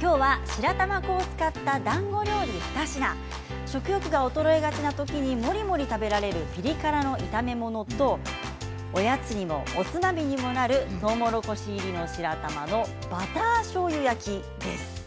きょうは白玉粉を使っただんご料理２品食欲が衰えがちなときにもりもり食べられるピリ辛の炒め物とおやつにも、おつまみにもなるとうもろこし入りの白玉のバターしょうゆ焼きです。